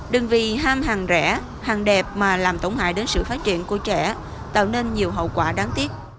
đừng vì ham hàng rẻ hàng đẹp mà làm tổn hại đến sự phát triển của trẻ tạo nên nhiều hậu quả đáng tiếc